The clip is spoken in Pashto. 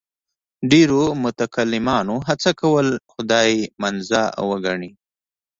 ډېرو متکلمانو هڅه کوله خدای منزه وګڼي.